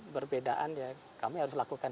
perbedaan yang kami harus lakukan